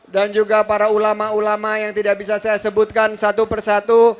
dan juga para ulama ulama yang tidak bisa saya sebutkan satu persatu